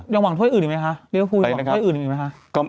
ยังหวังถ้วยอื่นหรอบ้างคะ